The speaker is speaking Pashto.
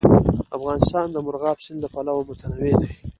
افغانستان د مورغاب سیند له پلوه متنوع دی.